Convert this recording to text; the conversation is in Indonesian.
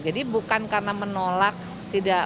jadi bukan karena menolak tidak